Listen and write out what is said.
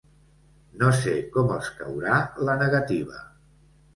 No sé com els caurà la negativa.